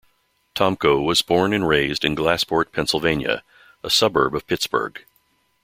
Tomko was born and raised in Glassport, Pennsylvania, a suburb of Pittsburgh.